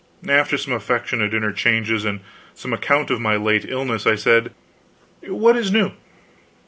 After some affectionate interchanges, and some account of my late illness, I said: "What is new?"